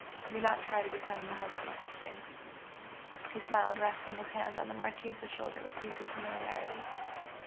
and do not try to become the husband of a Sphinx!" He smiled, resting his hand on the Marchese's shoulder with easy familiarity.